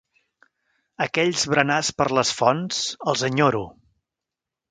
Aquells berenars per les fonts, els enyoro.